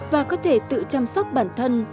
và có thể tự chăm sóc bản thân